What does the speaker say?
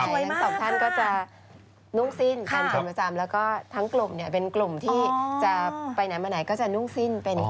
ใช่ทั้งสองท่านก็จะนุ่งสิ้นกันเป็นประจำแล้วก็ทั้งกลุ่มเนี่ยเป็นกลุ่มที่จะไปไหนมาไหนก็จะนุ่งสิ้นเป็น